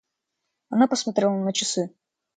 Она посмотрела на часы.